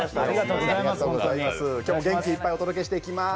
今日も元気いっぱいお届けしていきまーす。